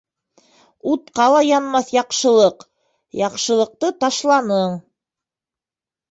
Утҡа ла янмаҫ яҡшылыҡ, Яҡшылыҡты ташланың.